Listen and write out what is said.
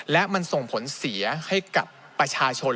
และมันส่งผลเสียให้กับประชาชน